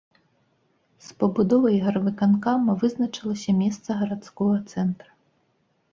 З пабудовай гарвыканкама вызначылася месца гарадскога цэнтра.